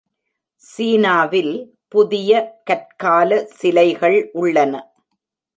சீனாவில், புதிய கற்கால சிலைகள் உள்ளன.